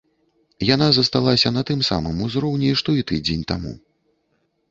Яна засталася на тым самым узроўні, што і тыдзень таму.